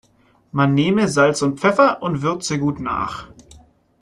Man nehme Salz und Pfeffer und würze gut nach.